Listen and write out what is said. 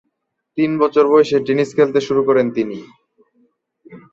তিন বছর বয়সে টেনিস খেলতে শুরু করেন তিনি।